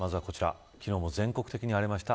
昨日も全国的に荒れました。